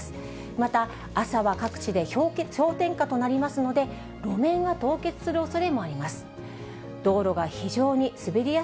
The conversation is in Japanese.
また、朝は各地で氷点下となりますので、路面が凍結するおそれもあります。